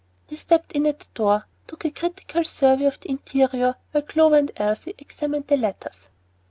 He stepped in at the door and took a critical survey of the interior, while Clover and Elsie examined their letters.